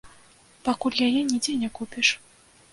Пакуль яе нідзе не купіш.